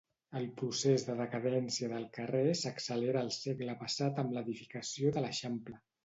El procés de decadència del carrer s'accelerà al segle passat amb l'edificació de l'Eixample.